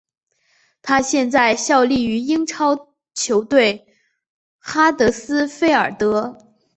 他现在效力于英超球队哈德斯菲尔德。